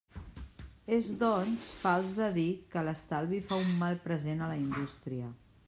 És, doncs, fals de dir que l'estalvi fa un mal present a la indústria.